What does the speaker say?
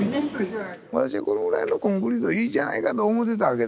私はこのぐらいのコンクリートでいいじゃないかと思ってたわけですよ。